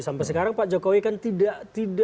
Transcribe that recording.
sampai sekarang pak jokowi kan tidak